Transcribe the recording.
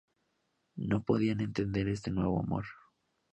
No podían entender este nuevo amor.